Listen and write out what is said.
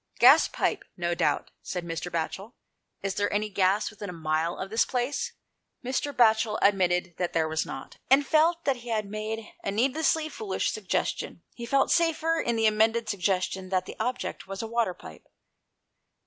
" Gas pipe, no doubt," said Mr. Batchel. "Is there any gas within a mile of this place ?" asked Wardle. Mr. Batchel admitted that there was not, and felt that he had made a needlessly foolish suggestion. He felt safer in the amended suggestion that the object was a water pipe.